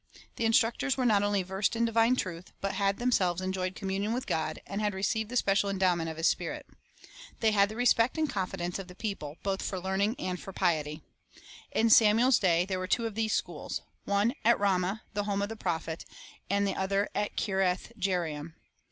The instructors were not only versed in divine truth, but had themselves enjoyed communion with God, and had received the special endowment of His Spirit. They had the respect and confidence of the people, both for learning and for piety. In Samuel's day there were two of these schools, — one at Ramah, the home of the prophet, and the other at Kirjath jearim.